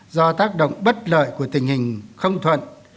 do tác động bất lợi của tình hình không thuận